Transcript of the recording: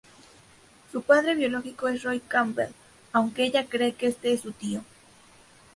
Su padre biológico es Roy Campbell, aunque ella cree que este es su tío.